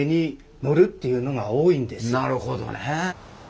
なるほどね。